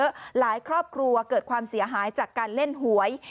อีกทางใดละครวประโยชน์ข้ามเกิดความเสียหายจากการเล่นหวย